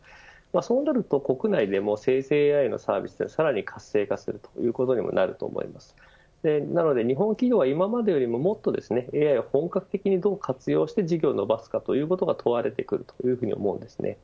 そうなると、国内でも生成ＡＩのサービスが、さらに活性化するということになるので日本企業は今よりももっとＡＩを本格的にどう活用して事業をどう伸ばすかというところが問われてくると思います。